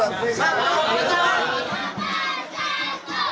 jadi kita harus berhenti